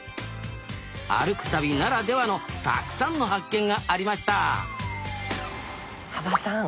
歩く旅ならではのたくさんの発見がありました羽場さん